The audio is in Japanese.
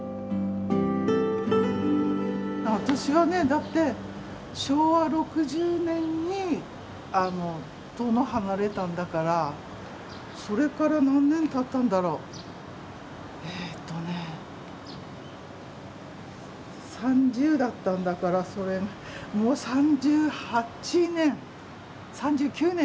私はねだって昭和６０年に遠野を離れたんだからそれから何年たったんだろうえっとね３０だったんだからもう３８年３９年かな。